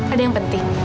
ada yang penting